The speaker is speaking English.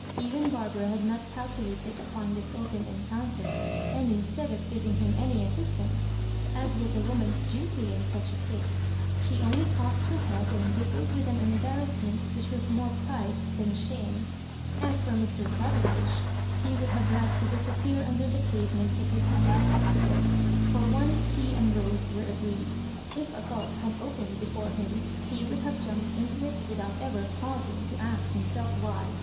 Even Bar bara had not calculated upon this open encoun ter; and instead of giving him any assistance, as was a woman's duty in such a case, she only tossed her head, and giggled with an embarrass ment which was more pride than shame. As for Mr. Cavendish, he would have liked to disappear under the pavement, if it had been possible. For once he and Rose were agreed. If a gulf had opened before him, he would have jumped into it without ever pausing to ask himself why.